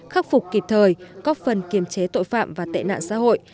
khắc phục kịp thời góp phần kiềm chế tội phạm và tệ nạn xã hội